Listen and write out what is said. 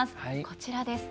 こちらです。